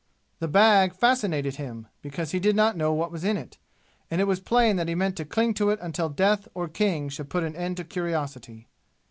The bag fascinated him, because he did not know what was in it, and it was plain that he meant to cling to it until death or King should put an end to curiosity.